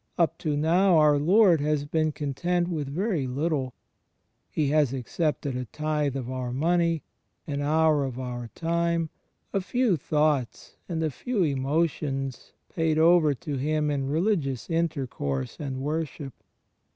Up to now our Lord has been content with very little: He has accepted a tithe of our money, an hour of our time, a few thoughts and a few emotions, paid over to Him in religious intercourse and worship.